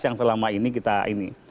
yang selama ini kita ini